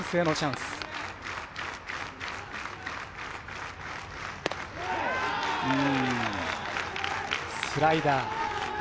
スライダー。